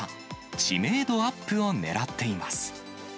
知名度アップをねらっています。